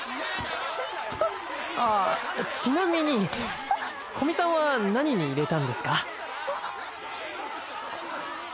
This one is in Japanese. あちなみに古見さんは何に入れたんですか？